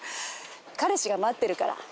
彼氏が待ってるから。